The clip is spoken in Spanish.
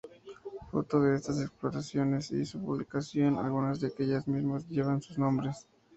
Fruto de estas exploraciones y su publicación, algunas de aquellas simas llevan sus nombres.